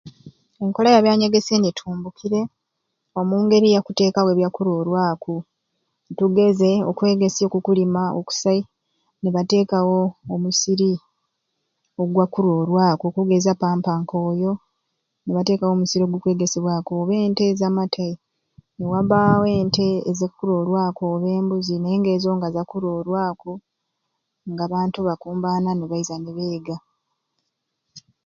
Enkola ya byanyegesya eni etumbukire omu ngeri ya kuteekawo byakuroorwaku tugeze okwegesya oku kulima okusai ni bateekawo omusiri ogwa kuroorwaku okugeza pampa nk'oyo ni bateekawo omusiri ogukwegesebwaku oba ente z'amatai niwabbaawo ente ezikuroorwaku oba embuzi naye ng'ezo za kuroorwaku ng'abantu bakukumbaana ni baiza ni beega